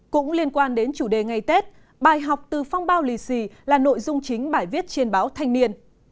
cũng liên quan đến chủ đề ngày tết bài học từ phong bao lì xì là nội dung chính bài viết trên báo thanh niên